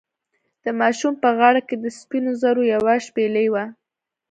د ماشوم په غاړه کې د سپینو زرو یوه شپیلۍ وه.